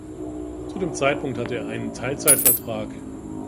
Zu dem Zeitpunkt hatte er einen Teilzeit Vertrag.